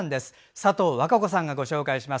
佐藤わか子さんがご紹介します。